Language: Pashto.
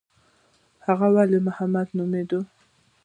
هغه ولي محمد نومېده.